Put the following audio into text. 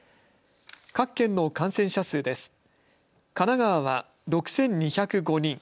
各県の感染者数です。